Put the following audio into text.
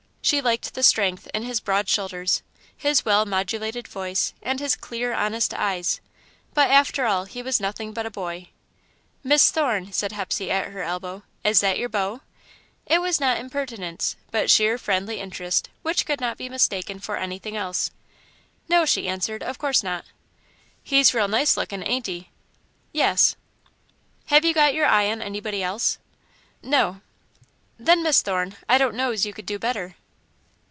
She liked the strength in his broad shoulders, his well modulated voice, and his clear, honest eyes; but after all he was nothing but a boy. "Miss Thorne," said Hepsey, at her elbow, "is that your beau?" It was not impertinence, but sheer friendly interest which could not be mistaken for anything else. "No," she answered; "of course not." "He's real nice lookin', ain't he? "Yes." "Have you got your eye on anybody else?" "No." "Then, Miss Thorne, I don't know's you could do better."